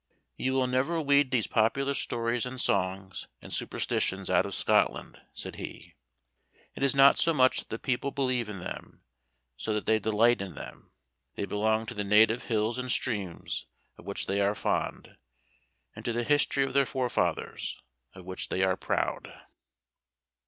"You will never weed these popular stories and songs and superstitions out of Scotland," said he. "It is not so much that the people believe in them, as that they delight in them. They belong to the native hills and streams of which they are fond, and to the history of their forefathers, of which they are proud."